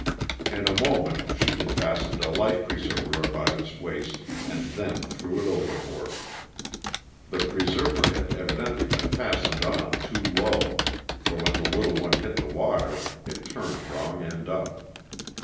In a moment she had fast ened a life preserver about its waist and then threw it overboard. The preserver had evidently been fastened on too low, for when the little one hit the water it turned wrong end up.